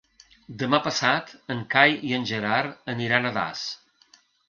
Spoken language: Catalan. Demà passat en Cai i en Gerard aniran a Das.